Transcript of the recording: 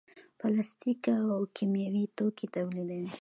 پلاستیک او کیمیاوي توکي تولیدوي.